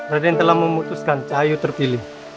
raden telah memutuskan cahayu terpilih